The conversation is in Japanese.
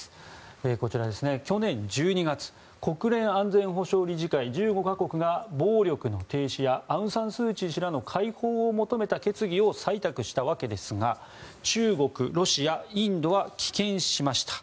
こちら、去年１２月国連安全保障理事会１５か国が暴力の停止やアウン・サン・スー・チー氏らの解放を求めた決議を採択したわけですが中国、ロシア、インドが棄権しました。